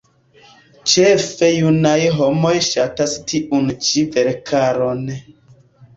Ĉefe junaj homoj ŝatas tiun ĉi verkaron.